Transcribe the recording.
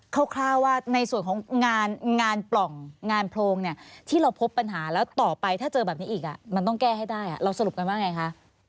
คร่าวว่าในส่วนของงานปล่องงานโพรงเนี่ยที่เราพบปัญหาแล้วต่อไปถ้าเจอแบบนี้อีกมันต้องแก้ให้ได้เราสรุปกันว่าไงคะ